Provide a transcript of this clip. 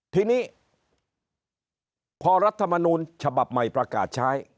ทีนี้พอรัฐมนูลฉบับใหม่ประกาศใช้